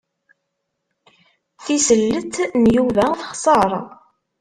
Tisellet n Yuba texser.